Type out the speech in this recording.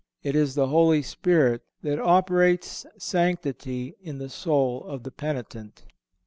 It is the Holy Spirit that operates sanctity in the soul of the penitent.